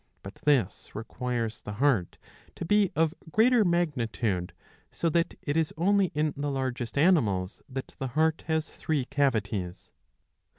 ^^ But this requires the heart to be of greater magnitude, so that it is only in the largest animals that the heart has three cavities.